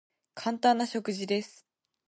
簡単な食事です。